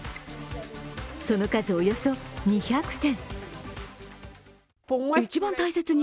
その数、およそ２００点。